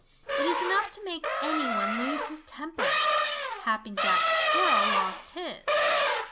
It is enough to make any one lose his temper. Happy Jack Squirrel lost his.